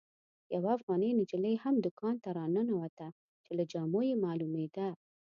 یوه افغانه نجلۍ هم دوکان ته راننوته چې له جامو یې معلومېده.